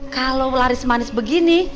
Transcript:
kalau laris manis begini